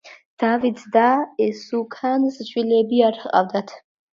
დავითს და ესუქანს შვილები არ ჰყავდათ.